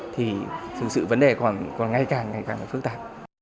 thì thực sự vấn đề còn ngày càng phức tạp